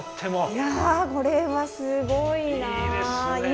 いやこれはすごいな。